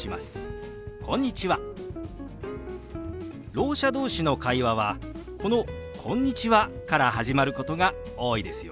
ろう者同士の会話はこの「こんにちは」から始まることが多いですよ。